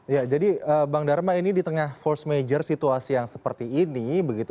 ya jadi bang dharma ini di tengah force major situasi yang seperti ini